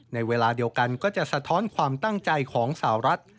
ในเวลาเดียวกันก็จะสะท้อนความตั้งใจของสาวรัฐ